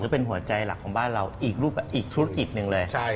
เป็นหัวใจหลักของบ้านเราอีกธุรกิจหนึ่งเลย